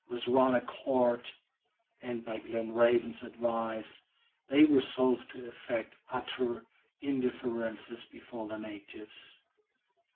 With one accord, and by Glenarvan's advice, they resolved to affect utter indifference before the natives.